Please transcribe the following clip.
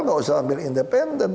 tidak usah ambil independen